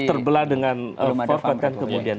terbelah dengan korban kan kemudian